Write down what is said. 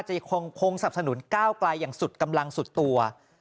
ยังคงสับสนุนก้าวไกลอย่างสุดกำลังสุดตัว